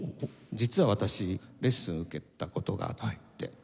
実は私レッスン受けた事があって。